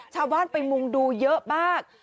ชาวบ้านไปมุงดูเยอะมาก